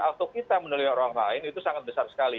untuk kita meneliti orang lain itu sangat besar sekali